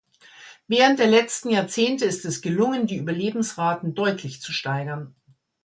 Während der letzten Jahrzehnte ist es gelungen, die Überlebensraten deutlich zu steigern.